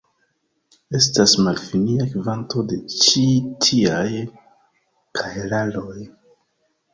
Estas malfinia kvanto de ĉi tiaj kahelaroj.